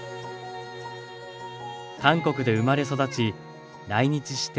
韓国で生まれ育ち来日して結婚。